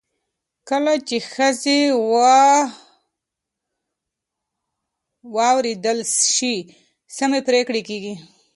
کله چې ښځې واورېدل شي، سمې پرېکړې کېږي.